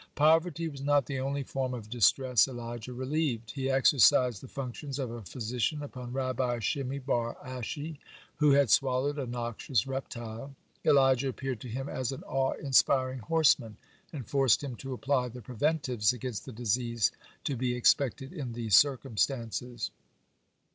(58) Poverty was not the only form of distress Elijah relieved. He exercised the functions of a physician upon Rabbi Shimi bar Ashi, who had swallowed a noxious reptile. Elijah appeared to him as an awe inspiring horseman, and forced him to apply the preventives against the disease to be expected in these circumstances.